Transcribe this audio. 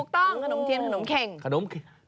ถูกต้องขนมเข็งขนมเทียน